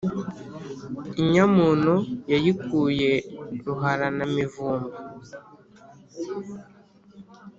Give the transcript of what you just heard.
Inyamuno yayikuye Ruraha na Mivumba.